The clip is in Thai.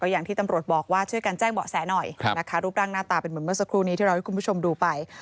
อย่างที่ตำรวจบอกว่าช่วยกันแจ้งเบาะแสหน่อยนะคะรูปร่างหน้าตาเป็นเหมือนเมื่อสักครู่นี้ที่เราให้คุณผู้ชมดูไป